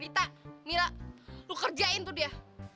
mita mila lu kerjain tuh dia